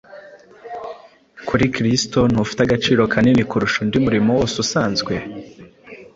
kuri Kristo ntufite agaciro kanini kurusha undi murimo wose usanzwe?